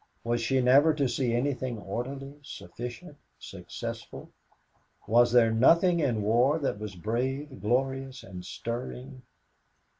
Was she never to see anything orderly, sufficient, successful? Was there nothing in war that was brave, glorious and stirring?